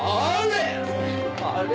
あれ？